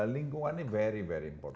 lingkungannya very very important